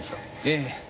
ええ。